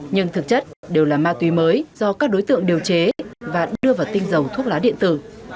nhưng thực chất đều là ma túy mới do các đối tượng điều chế và đưa vào tinh dầu thuốc lá điện tử